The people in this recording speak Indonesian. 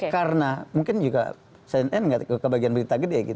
karena mungkin juga saya ingat kebagian berita besar